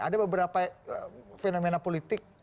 ada beberapa fenomena politik